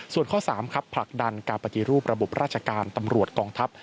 ส่วนข้อ๓ครับผลักดันการปฏิรูประบบราชการตำรวจกองทัพ